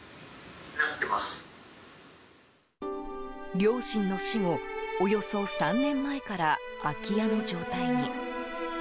両親の死後、およそ３年前から空き家の状態に。